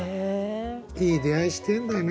いい出会いしてんだね。